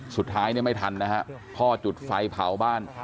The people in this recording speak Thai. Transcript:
สุดท้ายเนี่ยไม่ทันนะฮะพ่อจุดไฟเผาบ้าน